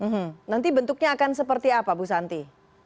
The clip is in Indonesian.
hmm nanti bentuknya akan seperti apa bu santi